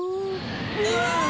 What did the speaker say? うわ。